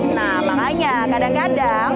nah makanya kadang kadang